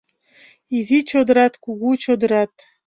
Изи чодырат, кугу чодырат